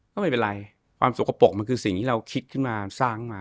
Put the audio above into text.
ก็ไม่เป็นไรความสกปรกมันคือสิ่งที่เราคิดขึ้นมาสร้างมา